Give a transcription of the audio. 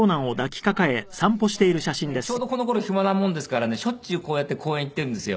ちょうどこの頃暇なもんですからねしょっちゅうこうやって公園行ってるんですよ。